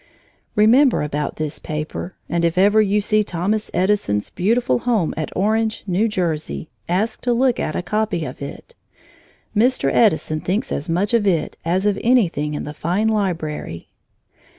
Remember about this paper, and if ever you see Thomas Edison's beautiful home at Orange, New Jersey, ask to look at a copy of it. Mr. Edison thinks as much of it as of anything in the fine library.